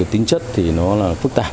tính chất thì nó phức tạp